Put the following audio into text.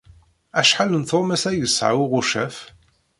Acḥal n tuɣmas ay yesɛa uɣuccaf?